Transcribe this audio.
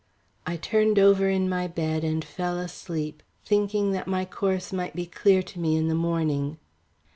I turned over in my bed and fell asleep, thinking that my course might be clear to me in the morning.